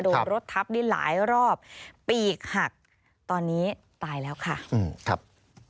รถทับได้หลายรอบปีกหักตอนนี้ตายแล้วค่ะอืมครับ